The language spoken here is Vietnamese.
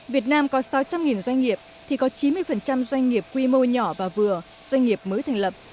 việt nam có sáu trăm linh doanh nghiệp thì có chín mươi doanh nghiệp quy mô nhỏ và vừa doanh nghiệp mới thành lập